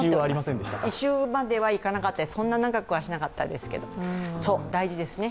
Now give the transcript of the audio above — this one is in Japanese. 異臭まではいかなかったです、そんな長くはしなかったですけど、大事ですね。